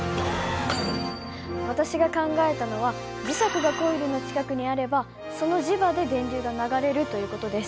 私が考えたのは磁石がコイルの近くにあればその磁場で電流が流れるという事です。